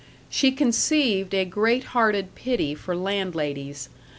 She conceived a great hearted pity for landladies.